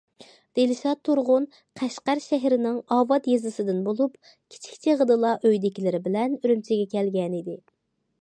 دىلشات تۇرغۇن قەشقەر شەھىرىنىڭ ئاۋات يېزىسىدىن بولۇپ، كىچىك چېغىدىلا ئۆيىدىكىلىرى بىلەن ئۈرۈمچىگە كەلگەنىدى.